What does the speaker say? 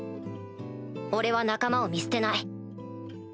俺は仲間を見捨てない。